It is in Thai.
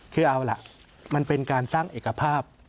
คือเอาล่ะมันเป็นการสร้างเอกภาพ